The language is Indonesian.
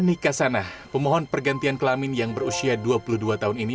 nikasanah pemohon pergantian kelamin yang berusia dua puluh dua tahun ini